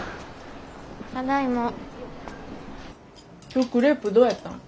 今日クレープどうやったん？